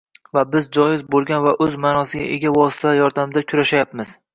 va biz joiz bo‘lgan va o‘z ma’nosiga ega vositalar yordamida kurashayapmiz